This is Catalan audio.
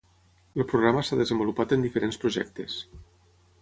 El programa s'ha desenvolupat en diferents projectes.